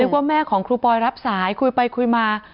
ว่าแม่ของครูปอยรับสายคุยไปคุยมา